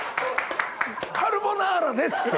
「カルボナーラです」。